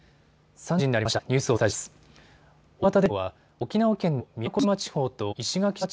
３時になりました。